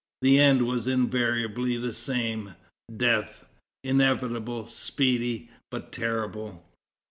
The end was invariably the same death, inevitable, speedy, but terrible."